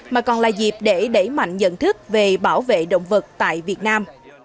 mà còn là dịp để đẩy mạnh nhận thức về bảo vệ động vật tại việt nam